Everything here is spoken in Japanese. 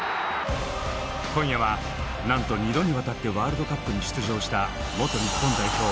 今夜はなんと２度にわたってワールドカップに出場した元日本代表